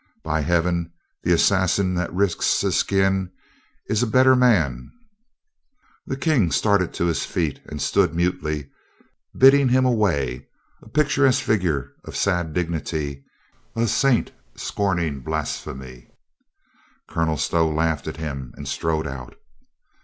By Heaven, the as sassin that risks his skin is a better man !" The King started to his feet and stood mutely bidding him away, a picturesque figure of sad dig nity, a saint scorning blasphemy. Colonel Stow laughed at him and strode out.